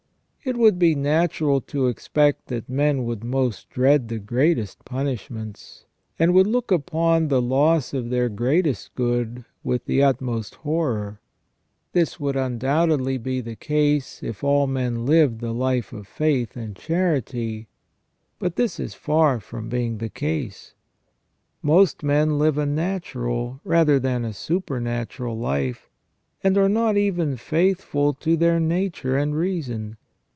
It would be natural to expect that men would most dread the greatest punishments, and would look upon the loss of their greatest good with the utmost horror. This would undoubtedly be the case if all men lived the life of faith and charity ; but this is far from being the case. Most men Uve a natural rather than a supernatural life, and are not even faithful to their nature and reason.